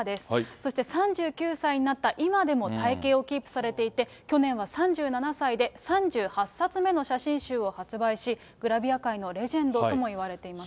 そして３９歳になった今でも体形をキープされていて、去年は３７歳で３８冊目の写真集を発売し、グラビア界のレジェンドともいわれています。